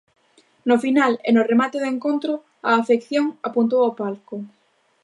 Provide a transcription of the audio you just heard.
No final e no remate do encontro, a afección apuntou ao palco.